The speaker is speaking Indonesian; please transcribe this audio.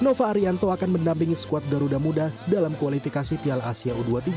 nova arianto akan mendampingi squad garuda muda dalam kualifikasi piala asia u dua puluh tiga